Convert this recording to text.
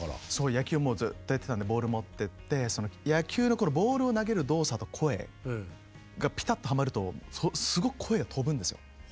野球をもうずっとやってたんでボール持ってってその野球のボールを投げる動作と声がピタッとはまるとすごく声が飛ぶんですよ。